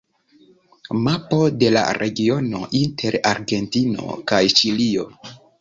Mapo de la regiono inter Argentino kaj Ĉilio.